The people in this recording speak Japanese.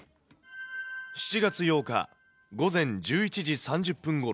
７月８日午前１１時３０分ごろ。